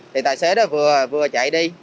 thì tài xế đó vừa chạy đi